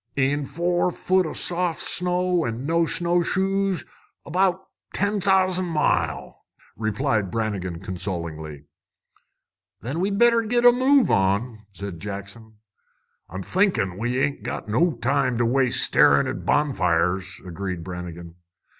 "In four foot o' soft snow, an' no snowshoes, about ten thousan' mile!" replied Brannigan consolingly. "Then we'd better git a move on," said Jackson. "I'm thinkin' we ain't got no time to waste starin' at bonfires," agreed Brannigan.